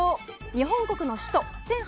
日本国の首都。